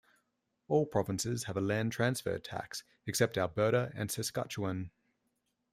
All provinces have a land transfer tax, except Alberta and Saskatchewan.